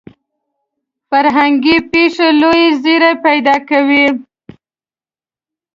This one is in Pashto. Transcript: فرهنګي پېښې لوی زیری پیدا کوي.